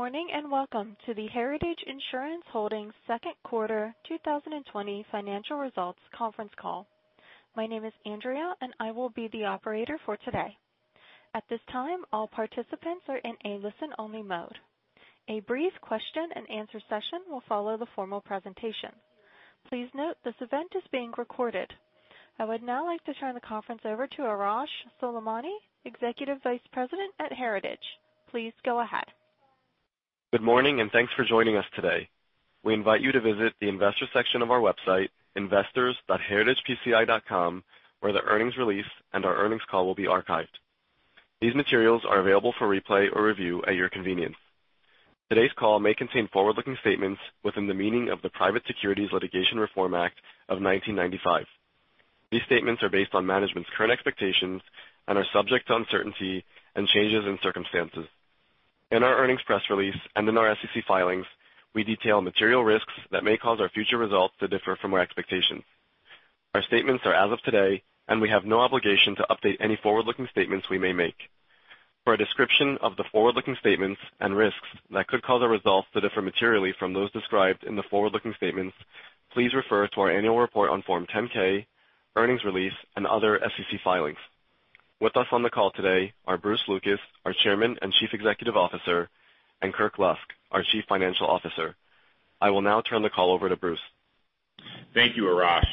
Good morning, and welcome to the Heritage Insurance Holdings second quarter 2020 financial results conference call. My name is Andrea, and I will be the operator for today. At this time, all participants are in a listen-only mode. A brief question and answer session will follow the formal presentation. Please note this event is being recorded. I would now like to turn the conference over to Arash Soleimani, Executive Vice President at Heritage. Please go ahead. Good morning, and thanks for joining us today. We invite you to visit the investor section of our website, investors.heritagepci.com, where the earnings release and our earnings call will be archived. These materials are available for replay or review at your convenience. Today's call may contain forward-looking statements within the meaning of the Private Securities Litigation Reform Act of 1995. These statements are based on management's current expectations and are subject to uncertainty and changes in circumstances. In our earnings press release and in our SEC filings, we detail material risks that may cause our future results to differ from our expectations. Our statements are as of today, and we have no obligation to update any forward-looking statements we may make. For a description of the forward-looking statements and risks that could cause our results to differ materially from those described in the forward-looking statements, please refer to our annual report on Form 10-K, earnings release, and other SEC filings. With us on the call today are Bruce Lucas, our Chairman and Chief Executive Officer, and Kirk Lusk, our Chief Financial Officer. I will now turn the call over to Bruce. Thank you, Arash.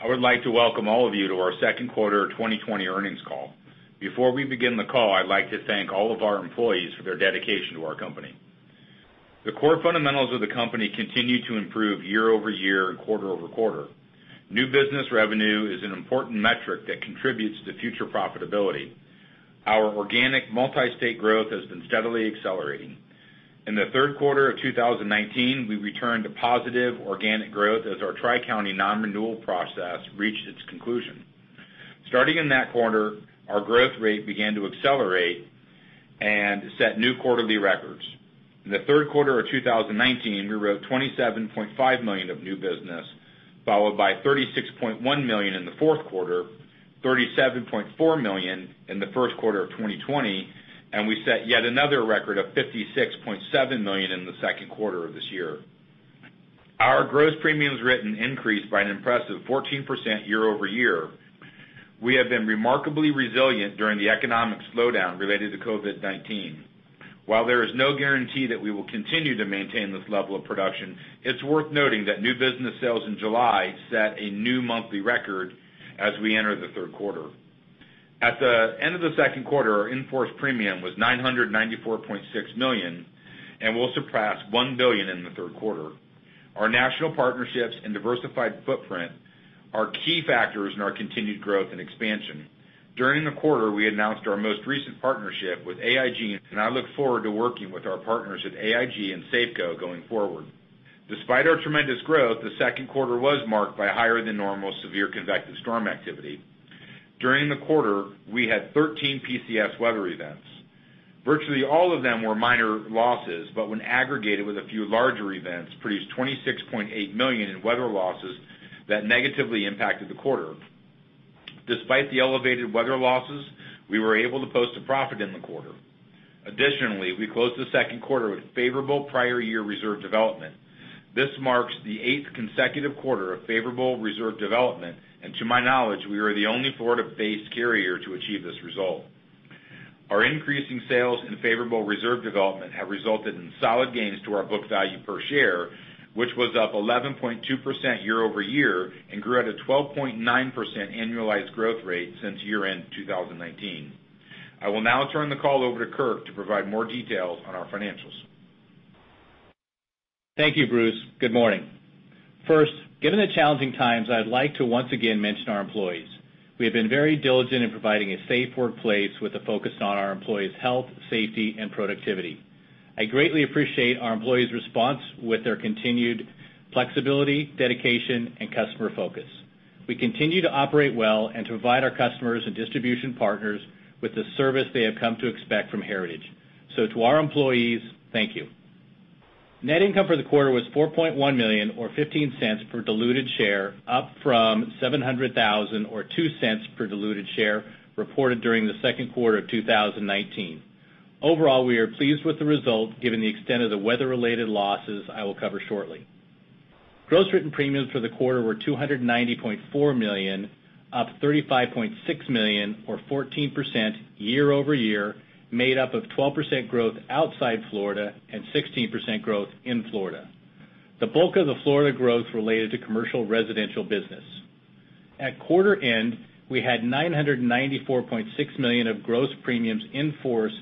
I would like to welcome all of you to our second quarter 2020 earnings call. Before we begin the call, I'd like to thank all of our employees for their dedication to our company. The core fundamentals of the company continue to improve year-over-year and quarter-over-quarter. New business revenue is an important metric that contributes to future profitability. Our organic multi-state growth has been steadily accelerating. In the third quarter of 2019, we returned to positive organic growth as our Tri-County non-renewal process reached its conclusion. Starting in that quarter, our growth rate began to accelerate and set new quarterly records. In the third quarter of 2019, we wrote $27.5 million of new business, followed by $36.1 million in the fourth quarter, $37.4 million in the first quarter of 2020, and we set yet another record of $56.7 million in the second quarter of this year. Our gross premiums written increased by an impressive 14% year-over-year. We have been remarkably resilient during the economic slowdown related to COVID-19. While there is no guarantee that we will continue to maintain this level of production, it's worth noting that new business sales in July set a new monthly record as we enter the third quarter. At the end of the second quarter, our in-force premium was $994.6 million and will surpass $1 billion in the third quarter. Our national partnerships and diversified footprint are key factors in our continued growth and expansion. During the quarter, we announced our most recent partnership with AIG, and I look forward to working with our partners at AIG and Safeco going forward. Despite our tremendous growth, the second quarter was marked by higher than normal severe convective storm activity. During the quarter, we had 13 PCS weather events. Virtually all of them were minor losses, but when aggregated with a few larger events, produced $26.8 million in weather losses that negatively impacted the quarter. Despite the elevated weather losses, we were able to post a profit in the quarter. Additionally, we closed the second quarter with favorable prior year reserve development. This marks the eighth consecutive quarter of favorable reserve development, and to my knowledge, we are the only Florida-based carrier to achieve this result. Our increasing sales and favorable reserve development have resulted in solid gains to our book value per share, which was up 11.2% year-over-year and grew at a 12.9% annualized growth rate since year-end 2019. I will now turn the call over to Kirk to provide more details on our financials. Thank you, Bruce. Good morning. First, given the challenging times, I'd like to once again mention our employees. We have been very diligent in providing a safe workplace with a focus on our employees' health, safety, and productivity. I greatly appreciate our employees' response with their continued flexibility, dedication, and customer focus. We continue to operate well and to provide our customers and distribution partners with the service they have come to expect from Heritage. To our employees, thank you. Net income for the quarter was $4.1 million, or $0.15 per diluted share, up from $700,000 or $0.02 per diluted share reported during the second quarter of 2019. Overall, we are pleased with the result given the extent of the weather-related losses I will cover shortly. Gross written premiums for the quarter were $290.4 million, up $35.6 million or 14% year-over-year, made up of 12% growth outside Florida and 16% growth in Florida. The bulk of the Florida growth related to commercial residential business. At quarter end, we had $994.6 million of gross premiums in force,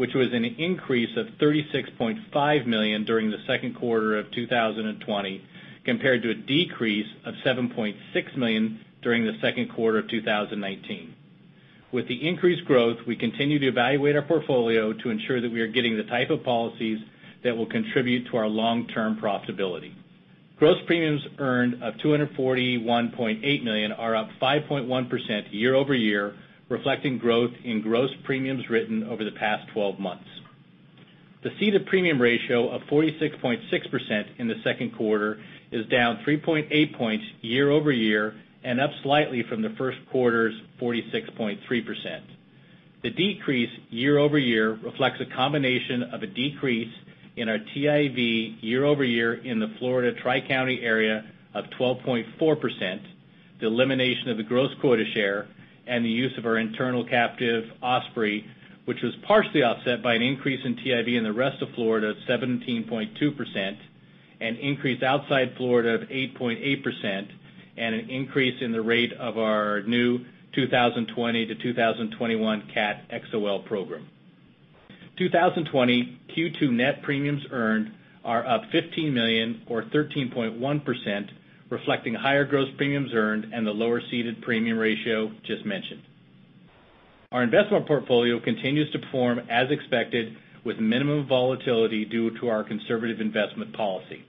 which was an increase of $36.5 million during the second quarter of 2020, compared to a decrease of $7.6 million during the second quarter of 2019. With the increased growth, we continue to evaluate our portfolio to ensure that we are getting the type of policies that will contribute to our long-term profitability. Gross premiums earned of $241.8 million are up 5.1% year-over-year, reflecting growth in gross premiums written over the past 12 months. The ceded premium ratio of 46.6% in the second quarter is down 3.8 points year-over-year and up slightly from the first quarter's 46.3%. The decrease year-over-year reflects a combination of a decrease in our TIV year-over-year in the Florida Tri-County area of 12.4%, the elimination of the gross quota share, and the use of our internal captive Osprey, which was partially offset by an increase in TIV in the rest of Florida of 17.2%, an increase outside Florida of 8.8%, and an increase in the rate of our new 2020-2021 CAT XOL program. 2020 Q2 net premiums earned are up $15 million, or 13.1%, reflecting higher gross premiums earned and the lower ceded premium ratio just mentioned. Our investment portfolio continues to perform as expected with minimum volatility due to our conservative investment policy.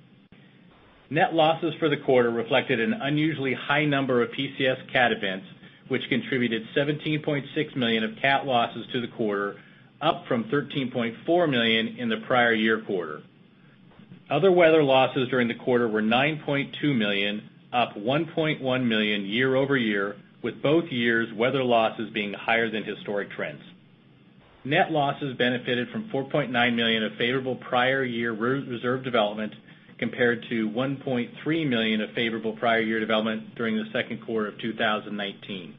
Net losses for the quarter reflected an unusually high number of PCS cat events, which contributed $17.6 million of cat losses to the quarter, up from $13.4 million in the prior year quarter. Other weather losses during the quarter were $9.2 million, up $1.1 million year-over-year, with both years' weather losses being higher than historic trends. Net losses benefited from $4.9 million of favorable prior year reserve development, compared to $1.3 million of favorable prior year development during the second quarter of 2019.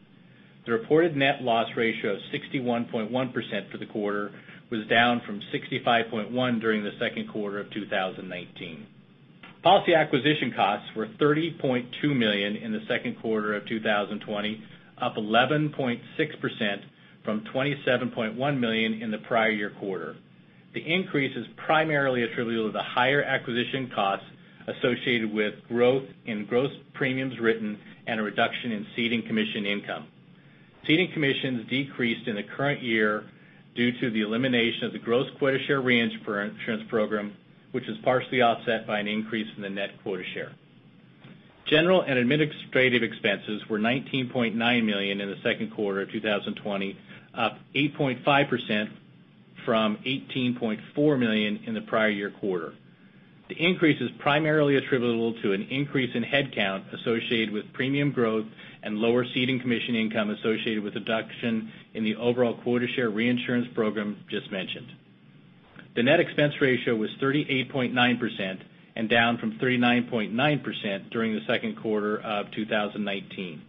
The reported net loss ratio of 61.1% for the quarter was down from 65.1% during the second quarter of 2019. Policy acquisition costs were $30.2 million in the second quarter of 2020, up 11.6% from $27.1 million in the prior year quarter. The increase is primarily attributable to the higher acquisition costs associated with growth in gross premiums written and a reduction in ceding commission income. Ceding commissions decreased in the current year due to the elimination of the gross quota share reinsurance program, which is partially offset by an increase in the net quota share. General and administrative expenses were $19.9 million in the second quarter of 2020, up 8.5% from $18.4 million in the prior year quarter. The increase is primarily attributable to an increase in headcount associated with premium growth and lower ceding commission income associated with a reduction in the overall quota share reinsurance program just mentioned. The net expense ratio was 38.9% and down from 39.9% during the second quarter of 2019.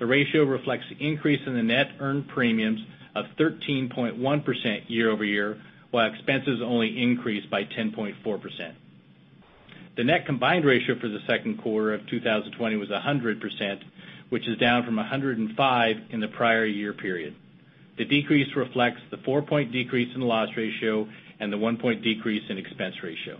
The ratio reflects the increase in the net earned premiums of 13.1% year-over-year, while expenses only increased by 10.4%. The net combined ratio for the second quarter of 2020 was 100%, which is down from 105 in the prior year period. The decrease reflects the 4-point decrease in the loss ratio and the 1-point decrease in expense ratio.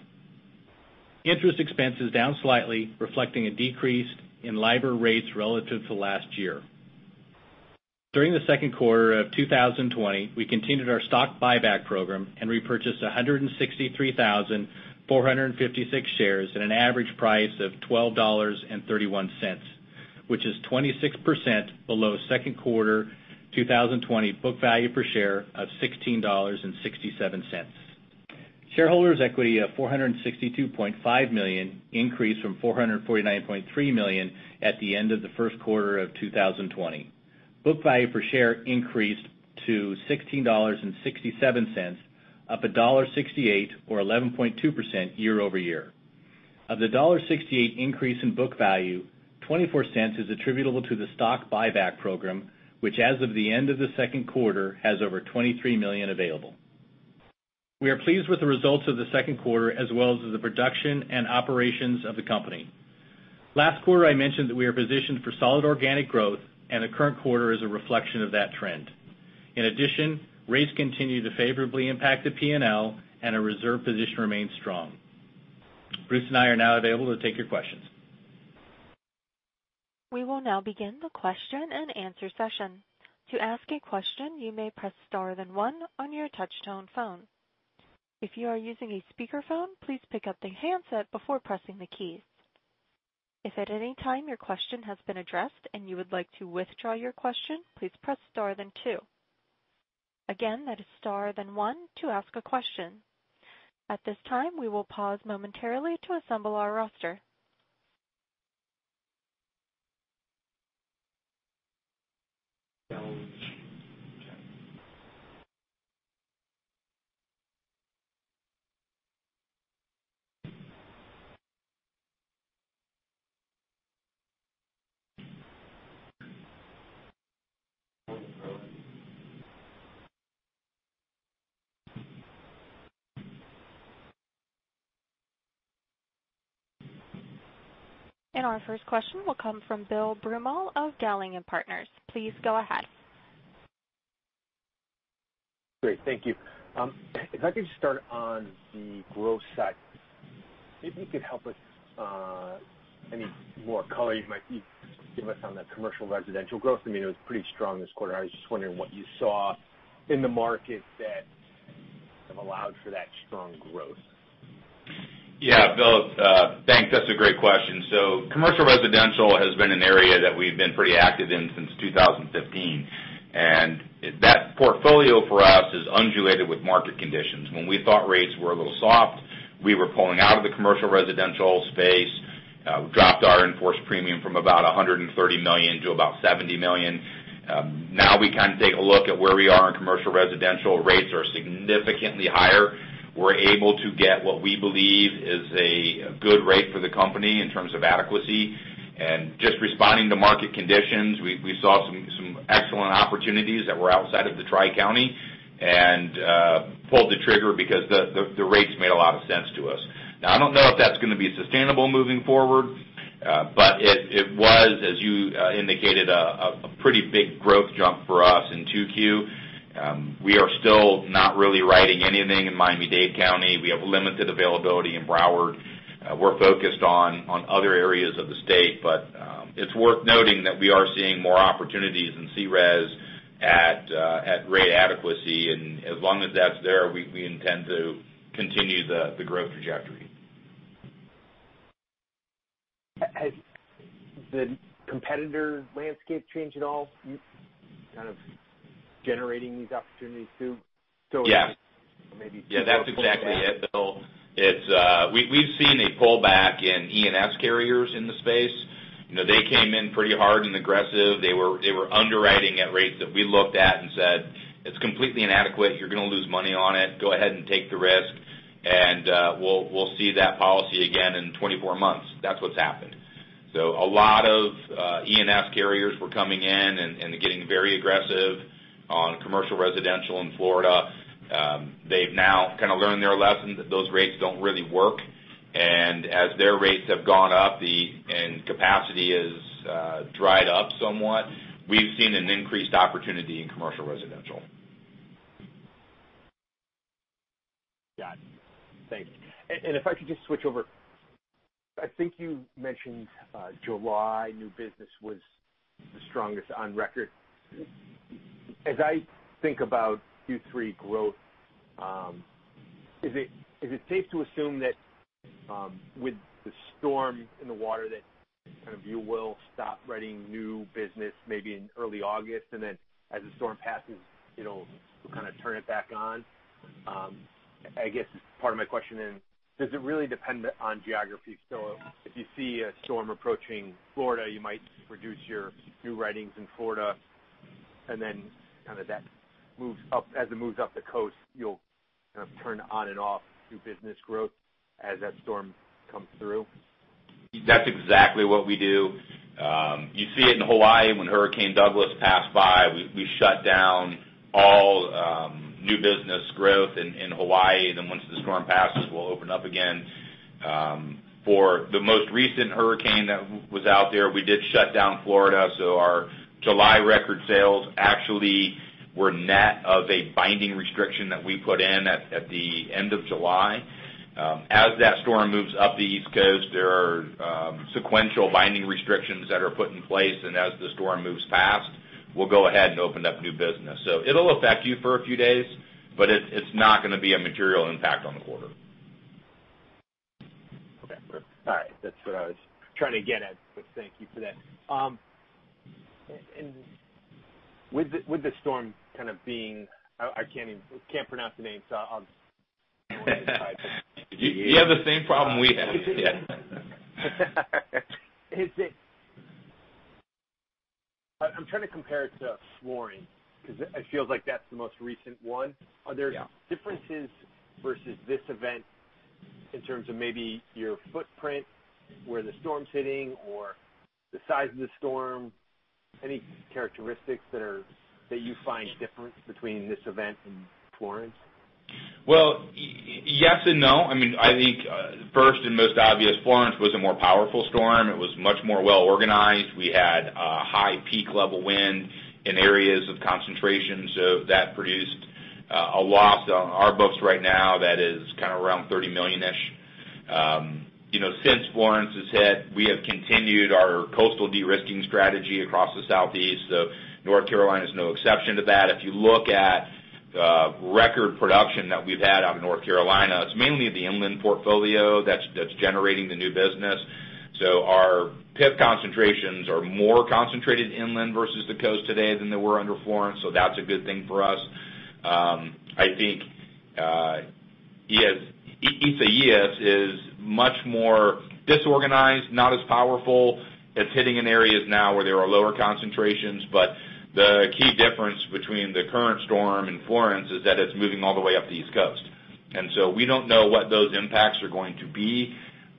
Interest expense is down slightly, reflecting a decrease in LIBOR rates relative to last year. During the second quarter of 2020, we continued our stock buyback program and repurchased 163,456 shares at an average price of $12.31, which is 26% below second quarter 2020 book value per share of $16.67. Shareholders' equity of $462.5 million increased from $449.3 million at the end of the first quarter of 2020. Book value per share increased to $16.67, up $1.68, or 11.2% year-over-year. Of the $1.68 increase in book value, $0.24 is attributable to the stock buyback program, which as of the end of the second quarter, has over $23 million available. We are pleased with the results of the second quarter, as well as the production and operations of the company. Last quarter, I mentioned that we are positioned for solid organic growth. The current quarter is a reflection of that trend. In addition, rates continue to favorably impact the P&L. Our reserve position remains strong. Bruce and I are now available to take your questions. We will now begin the question and answer session. To ask a question, you may press star then one on your touch tone phone. If you are using a speakerphone, please pick up the handset before pressing the keys. If at any time your question has been addressed and you would like to withdraw your question, please press star then two. Again, that is star then one to ask a question. At this time, we will pause momentarily to assemble our roster. Our first question will come from Bill Broomall of Dowling & Partners. Please go ahead. Great, thank you. If I could just start on the growth side, if you could help with any more color you might give us on the commercial residential growth. I mean, it was pretty strong this quarter. I was just wondering what you saw in the market that allowed for that strong growth. Yeah, Bill. Thanks. That's a great question. Commercial residential has been an area that we've been pretty active in since 2015. That portfolio for us is undulated with market conditions. When we thought rates were a little soft, we were pulling out of the commercial residential space We dropped our in-force premium from about $130 million to about $70 million. We kind of take a look at where we are in commercial residential. Rates are significantly higher. We're able to get what we believe is a good rate for the company in terms of adequacy. Just responding to market conditions, we saw some excellent opportunities that were outside of the Tri-County and pulled the trigger because the rates made a lot of sense to us. I don't know if that's going to be sustainable moving forward, it was, as you indicated, a pretty big growth jump for us in Q2. We are still not really writing anything in Miami-Dade County. We have limited availability in Broward. We're focused on other areas of the state. It's worth noting that we are seeing more opportunities in C-RES at rate adequacy. As long as that's there, we intend to continue the growth trajectory. Has the competitor landscape changed at all? Kind of generating these opportunities too? Yes. So maybe- Yeah, that's exactly it, Bill. We've seen a pullback in E&S carriers in the space. They came in pretty hard and aggressive. They were underwriting at rates that we looked at and said, "It's completely inadequate. You're going to lose money on it. Go ahead and take the risk, and we'll see that policy again in 24 months." That's what's happened. A lot of E&S carriers were coming in and getting very aggressive on commercial residential in Florida. They've now kind of learned their lesson that those rates don't really work. As their rates have gone up, and capacity has dried up somewhat, we've seen an increased opportunity in commercial residential. Got it. Thank you. If I could just switch over, I think you mentioned July new business was the strongest on record. As I think about Q3 growth, is it safe to assume that with the storm in the water, that kind of you will stop writing new business maybe in early August, and then as the storm passes, you'll kind of turn it back on? I guess part of my question then, does it really depend on geography? If you see a storm approaching Florida, you might reduce your new writings in Florida, and then kind of as it moves up the coast, you'll kind of turn on and off new business growth as that storm comes through. That's exactly what we do. You see it in Hawaii when Hurricane Douglas passed by. We shut down all new business growth in Hawaii. Once the storm passes, we'll open up again. For the most recent hurricane that was out there, we did shut down Florida, so our July record sales actually were net of a binding restriction that we put in at the end of July. As that storm moves up the East Coast, there are sequential binding restrictions that are put in place, as the storm moves past, we'll go ahead and open up new business. It'll affect you for a few days, but it's not going to be a material impact on the quarter. Okay. All right. That's what I was trying to get at, but thank you for that. With the storm kind of being I can't pronounce the name, so I'll. You have the same problem we have. Yeah. I'm trying to compare it to Florence, because it feels like that's the most recent one. Yeah. Are there differences versus this event in terms of maybe your footprint, where the storm's hitting, or the size of the storm? Any characteristics that you find different between this event and Florence? Well, yes and no. I think first and most obvious, Hurricane Florence was a more powerful storm. It was much more well-organized. We had a high peak-level wind in areas of concentration, so that produced a loss on our books right now that is kind of around $30 million-ish. Since Hurricane Florence has hit, we have continued our coastal de-risking strategy across the Southeast. North Carolina's no exception to that. If you look at the record production that we've had out of North Carolina, it's mainly the inland portfolio that's generating the new business. Our PIP concentrations are more concentrated inland versus the coast today than they were under Hurricane Florence, so that's a good thing for us. I think Isaias is much more disorganized, not as powerful. It's hitting in areas now where there are lower concentrations. The key difference between the current storm and Hurricane Florence is that it's moving all the way up the East Coast. We don't know what those impacts are going to be.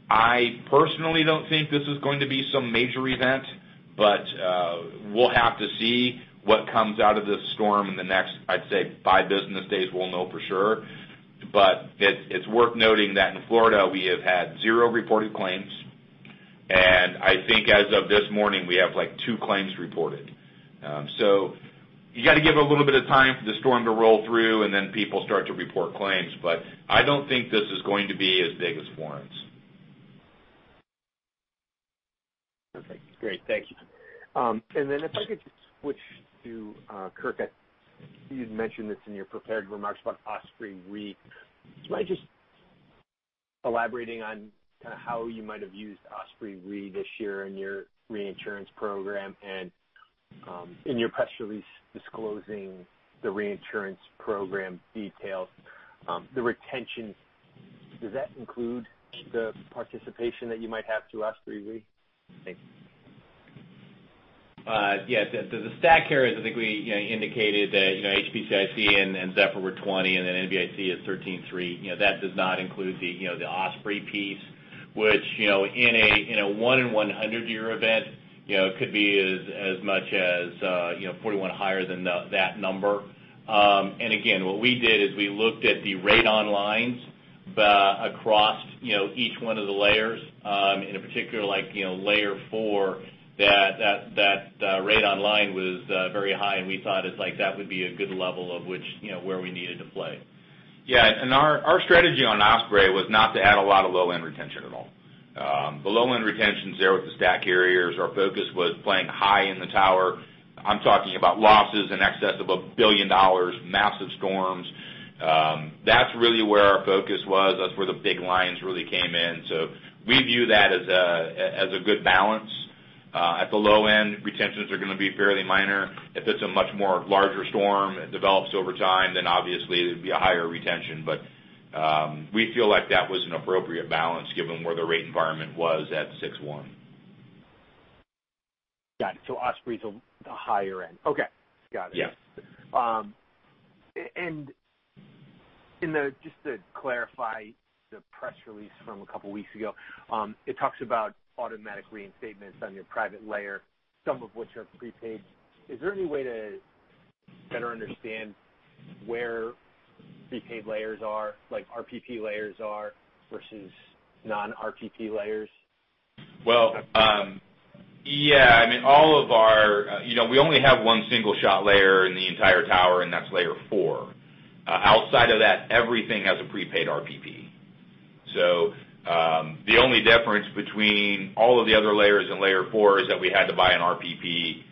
I personally don't think this is going to be some major event, but we'll have to see what comes out of this storm in the next, I'd say five business days, we'll know for sure. It's worth noting that in Florida, we have had zero reported claims. I think as of this morning, we have two claims reported. You got to give a little bit of time for the storm to roll through, and then people start to report claims. I don't think this is going to be as big as Hurricane Florence. Perfect. Great. Thank you. If I could just switch to Kirk, you'd mentioned this in your prepared remarks about Osprey Re. You mind just elaborating on kind of how you might have used Osprey Re this year in your reinsurance program and in your press release disclosing the reinsurance program details, the retention, does that include the participation that you might have to Osprey? Thanks. Yes. The stack here is, I think we indicated that HBCIC and Zephyr Insurance Company were 20, and then Narragansett Bay Insurance Company is 13.3. That does not include the Osprey Re piece, which in a one in 100 year event could be as much as 41 higher than that number. Again, what we did is we looked at the rate on lines across each one of the layers. In a particular like layer 4 that rate on line was very high, and we thought that would be a good level of which where we needed to play. Yes. Our strategy on Osprey was not to add a lot of low-end retention at all. The low-end retention is there with the stack carriers. Our focus was playing high in the tower. I'm talking about losses in excess of $1 billion, massive storms. That's really where our focus was. That's where the big lines really came in. We view that as a good balance. At the low end, retentions are going to be fairly minor. If it's a much more larger storm, it develops over time, then obviously there'd be a higher retention. We feel like that was an appropriate balance given where the rate environment was at six one. Got it. Osprey's the higher end. Okay. Got it. Yes. Just to clarify the press release from a couple of weeks ago, it talks about automatic reinstatements on your private layer, some of which are prepaid. Is there any way to better understand where prepaid layers are, like RPP layers are versus non-RPP layers? Yeah. We only have one single shot layer in the entire tower, and that's layer 4. Outside of that, everything has a prepaid RPP. The only difference between all of the other layers and layer 4 is that we had to buy an RPP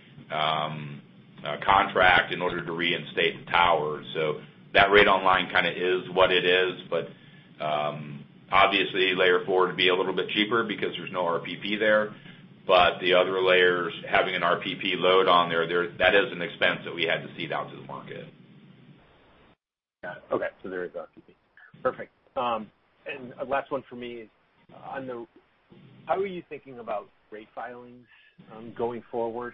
contract in order to reinstate the tower. That rate on line kind of is what it is, but obviously layer 4 would be a little bit cheaper because there's no RPP there. The other layers having an RPP load on there, that is an expense that we had to cede out to the market. Got it. Okay. There is RPP. Perfect. Last one for me. How are you thinking about rate filings going forward?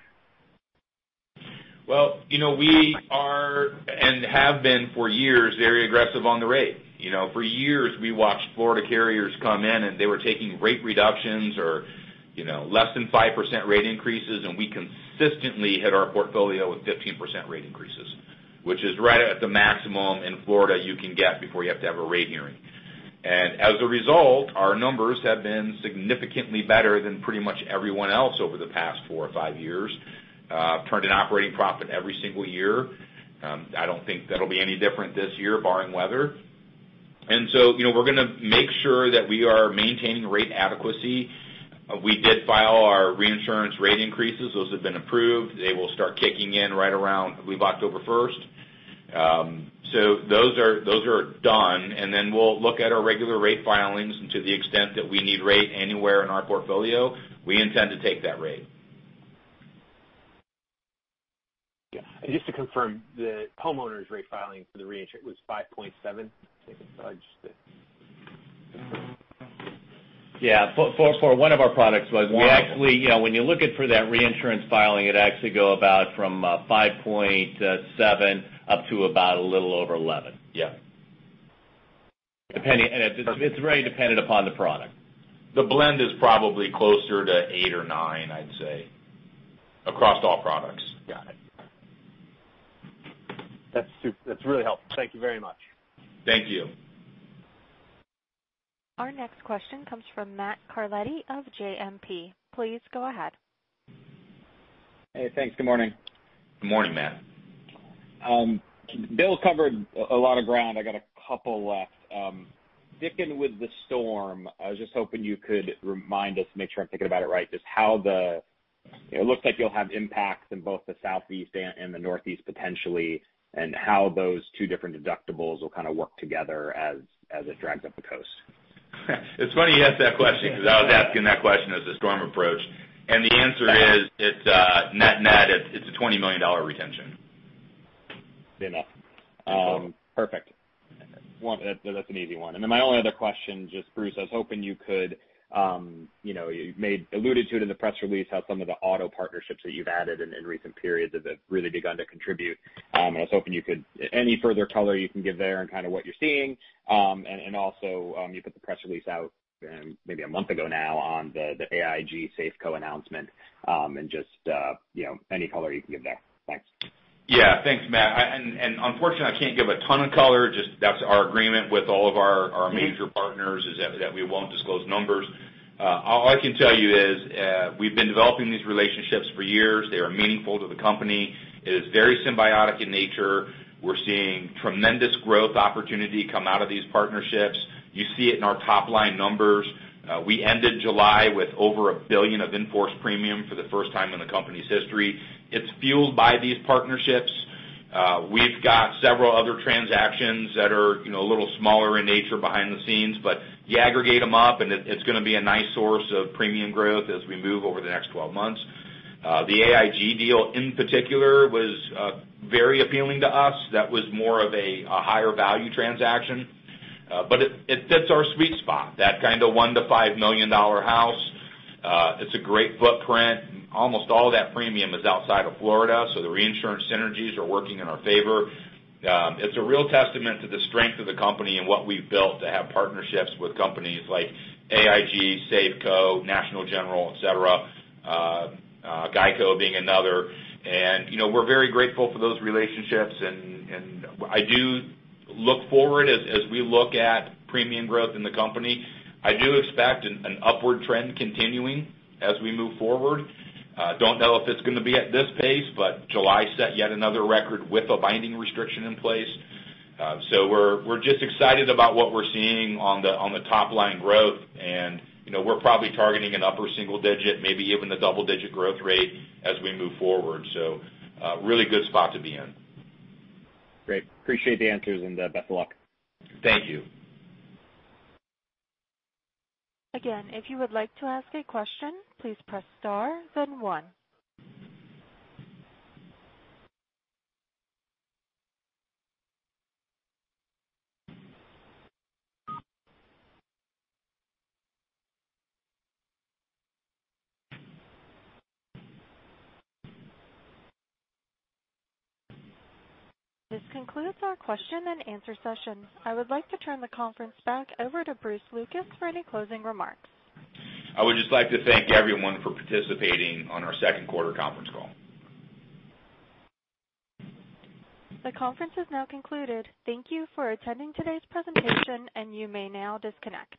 Well, we are, and have been for years, very aggressive on the rate. For years, we watched Florida carriers come in, and they were taking rate reductions or less than 5% rate increases, and we consistently hit our portfolio with 15% rate increases, which is right at the maximum in Florida you can get before you have to have a rate hearing. As a result, our numbers have been significantly better than pretty much everyone else over the past four or five years. Turned an operating profit every single year. I don't think that'll be any different this year, barring weather. We're going to make sure that we are maintaining rate adequacy. We did file our reinsurance rate increases. Those have been approved. They will start kicking in right around, I believe, October 1st. Those are done, and then we'll look at our regular rate filings and to the extent that we need rate anywhere in our portfolio, we intend to take that rate. Yeah. Just to confirm, the homeowners rate filing for the reinsurance was 5.7? For one of our products, when you're looking for that reinsurance filing, it'd actually go about from 5.7 up to about a little over 11. Yeah. It's very dependent upon the product. The blend is probably closer to eight or nine, I'd say, across all products. Got it. That's really helpful. Thank you very much. Thank you. Our next question comes from Matt Carletti of JMP. Please go ahead. Hey, thanks. Good morning. Good morning, Matt. Bill covered a lot of ground. I got a couple left. Dealing with the storm, I was just hoping you could remind us, make sure I'm thinking about it right, it looks like you'll have impacts in both the Southeast and the Northeast, potentially, and how those two different deductibles will kind of work together as it drags up the coast. It's funny you ask that question because I was asking that question as the storm approached. The answer is, it's net-net, it's a $20 million retention. Fair enough. That's all. Perfect. That's an easy one. My only other question, Bruce, I was hoping you alluded to it in the press release how some of the auto partnerships that you've added in recent periods have really begun to contribute. I was hoping any further color you can give there on kind of what you're seeing. Also, you put the press release out maybe a month ago now on the AIG Safeco announcement, any color you can give there. Thanks. Yeah. Thanks, Matt. Unfortunately, I can't give a ton of color, that's our agreement with all of our major partners is that we won't disclose numbers. All I can tell you is we've been developing these relationships for years. They are meaningful to the company. It is very symbiotic in nature. We're seeing tremendous growth opportunity come out of these partnerships. You see it in our top-line numbers. We ended July with over $1 billion of in-force premium for the first time in the company's history. It's fueled by these partnerships. We've got several other transactions that are a little smaller in nature behind the scenes, but you aggregate them up, and it's going to be a nice source of premium growth as we move over the next 12 months. The AIG deal in particular was very appealing to us. That was more of a higher value transaction. It fits our sweet spot, that kind of $1 million to $5 million house. It's a great footprint. Almost all that premium is outside of Florida, so the reinsurance synergies are working in our favor. It's a real testament to the strength of the company and what we've built to have partnerships with companies like AIG, Safeco, National General, et cetera, GEICO being another. We're very grateful for those relationships, I do look forward as we look at premium growth in the company. I do expect an upward trend continuing as we move forward. Don't know if it's going to be at this pace, but July set yet another record with a binding restriction in place. We're just excited about what we're seeing on the top-line growth, we're probably targeting an upper single digit, maybe even a double-digit growth rate as we move forward. A really good spot to be in. Great. Appreciate the answers, and best of luck. Thank you. Again, if you would like to ask a question, please press star then one. This concludes our question and answer session. I would like to turn the conference back over to Bruce Lucas for any closing remarks. I would just like to thank everyone for participating on our second quarter conference call. The conference has now concluded. Thank you for attending today's presentation, and you may now disconnect.